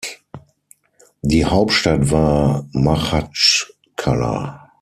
Die Hauptstadt war Machatschkala.